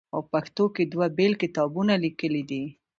او پښتو کښې دوه بيل کتابونه ليکلي دي